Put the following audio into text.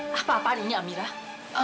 lewat dia nggak ada yang mau